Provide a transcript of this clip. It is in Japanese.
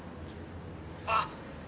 あっ！